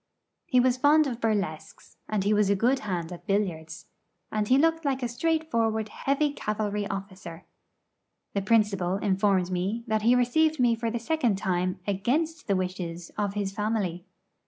He was fond of burlesques, and he was a good hand at billiards; and he looked like a straightforward heavy cavalry officer. The principal informed me that he received me for the second time against the wishes of his family.